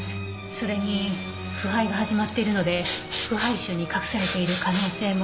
それに腐敗が始まっているので腐敗臭に隠されている可能性も。